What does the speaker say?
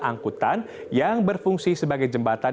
angkutan yang berfungsi sebagai jembatan